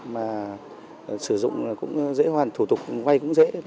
mà sử dụng cũng dễ hoàn thủ tục vay cũng dễ